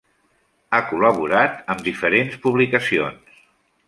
Ha col·laborat amb diferents publicacions.